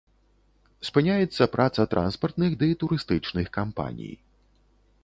Спыняецца праца транспартных ды турыстычных кампаній.